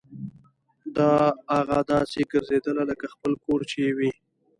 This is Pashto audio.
داه اغه داسې ګرځېدله لکه خپل کور چې يې وي.